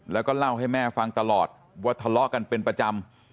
แล้วก็เล่าให้แม่ฟังตลอดว่าทะเลาะกันเป็นประจำ